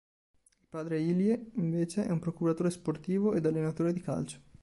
Il padre Ilie, invece, è un procuratore sportivo ed allenatore di calcio.